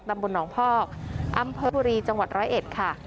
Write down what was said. ตำบลหนองพอกอำเภอบุรีจังหวัดร้อยเอ็ดค่ะ